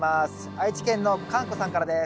愛知県のかんこさんからです。